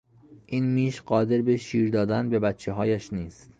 این میش قادر به شیردادن به بچههایش نیست.